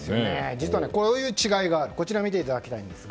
実はこういう違いがあるんです。